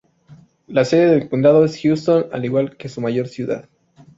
La sede del condado es Houston, al igual que su mayor ciudad.